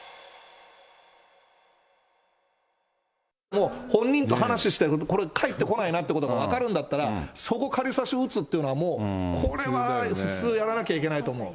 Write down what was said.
もう、本人と話して、これ返ってこないなってことが分かるんだったら、そこ、かりさしをうつっていうのは、もうこれは、普通やらなきゃいけないと思う。